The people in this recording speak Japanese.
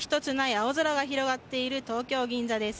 青空が広がっている東京・銀座です。